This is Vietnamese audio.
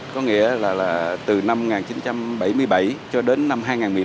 có nghĩa là từ năm một nghìn chín trăm bảy mươi bảy cho đến năm hai nghìn một mươi bảy